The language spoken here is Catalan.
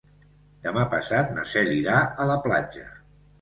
Demà passat na Cel irà a la platja.